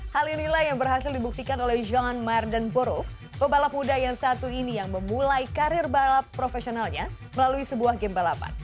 hal inilah yang berhasil dibuktikan oleh john marden borov pebalap muda yang satu ini yang memulai karir balap profesionalnya melalui sebuah game balapan